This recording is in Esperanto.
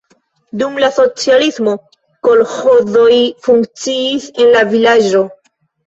Dum la socialismo kolĥozoj funkciis en la vilaĝo.